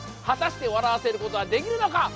果たして笑わせることはできるのか。